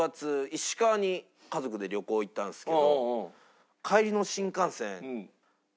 石川に家族で旅行行ったんですけど。